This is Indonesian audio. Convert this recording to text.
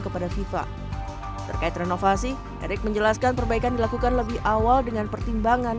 kepada fifa terkait renovasi erick menjelaskan perbaikan dilakukan lebih awal dengan pertimbangan